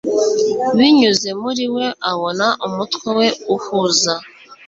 binyuze muri we abona umutwe we, uhuza